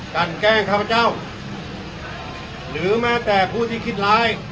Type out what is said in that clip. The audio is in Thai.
กันแกล้งข้าพเจ้าหรือแม้แต่ผู้ที่คิดร้าย